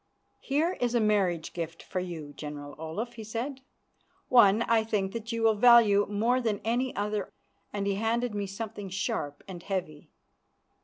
"Here is a marriage gift for you, General Olaf," he said; "one, I think, that you will value more than any other," and he handed me something sharp and heavy.